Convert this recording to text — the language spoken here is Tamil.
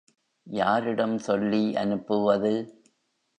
யாரிடம் சொல்லி அனுப்புவது?